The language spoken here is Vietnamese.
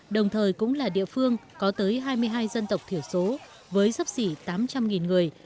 đồng thời cũng là địa phương có tới hai mươi hai dân tộc thiểu số với sắp xỉ tám trăm linh người